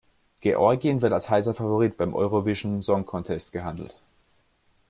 Georgien wird als heißer Favorit beim Eurovision Song Contest gehandelt.